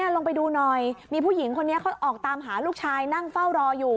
ลงไปดูหน่อยมีผู้หญิงคนนี้เขาออกตามหาลูกชายนั่งเฝ้ารออยู่